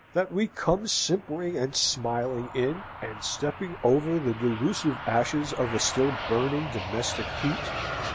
that we come simpering and smiling in, and stepping over the delusive ashes of a still burning domestic heat?